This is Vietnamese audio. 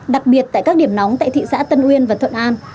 đặc biệt tại các điểm nóng tại thị xã tân uyên và thuận an